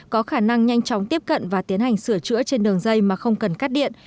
có khả năng nhanh chóng tiếp cận và tiến hành sửa chữa trên đường dây mà không cần cắt điện